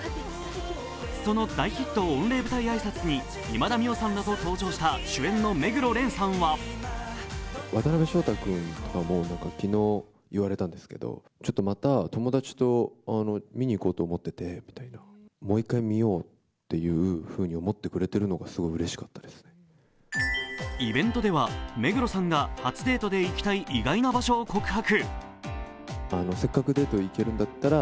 その大ヒット御礼舞台挨拶に今田美桜さんらと登場した主演の目黒蓮さんはイベントでは目黒さんが初デートで行きたい意外な場所を告白。